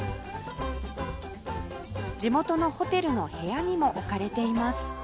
地元のホテルの部屋にも置かれています